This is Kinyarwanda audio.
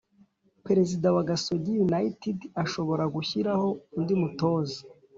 Perezida wa Gasogi united ashobora gushyiraho undi mutoza